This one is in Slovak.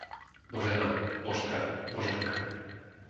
Božena, Božka, Boženka